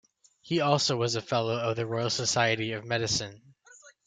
He also was a Fellow of the Royal Society of Medicine.